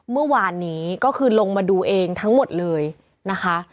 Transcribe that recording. เมื่อวานนี้ก็คือลงมาดูเองทั้งหมดเลยนะคะ